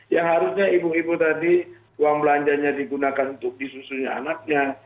yang harusnya ibu ibu tadi uang belanjanya digunakan untuk disusunnya anaknya